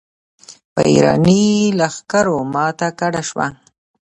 په اېراني لښکرو ماته ګډه شوه.